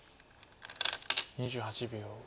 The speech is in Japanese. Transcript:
２８秒。